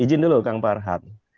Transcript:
izin dulu kang farhad